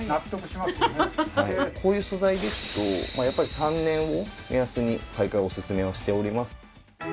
こういう素材ですとやっぱり３年を目安に買い替えをおすすめをしております。